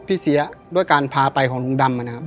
พี่เสียด้วยการพาไปของลุงดำ